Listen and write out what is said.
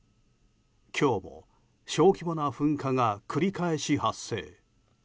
今日も、小規模な噴火が繰り返し発生。